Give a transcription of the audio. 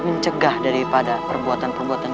mencegah daripada perbuatan perbuatan